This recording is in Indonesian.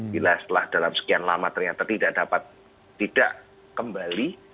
bila setelah dalam sekian lama ternyata tidak dapat tidak kembali